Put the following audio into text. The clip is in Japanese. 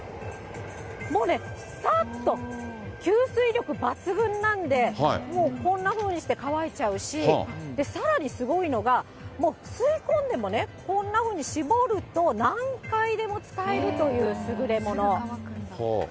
もうね、さっと吸水力抜群なんで、もうこんなふうにして乾いちゃうし、さらにすごいのが、もう吸い込んでもね、こんなふうに絞ると、何回でも使えるという優れもの。